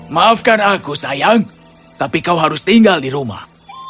maafkan aku sayang tapi kau harus tinggal di rumah